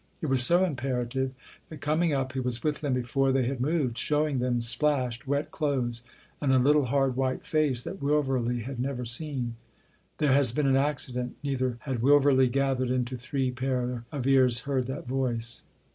It was so imperative that, coming up, he was with them before they had moved, showing them splashed, wet clothes and a little hard white face that Wilverley had never seen. "There has been an accident." Neither had Wilverley, gathered into three pair of ears, heard that voice.